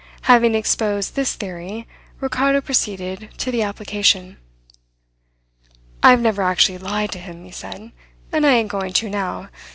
Having exposed this theory Ricardo proceeded to the application. "I've never actually lied to him," he said, "and I ain't going to now.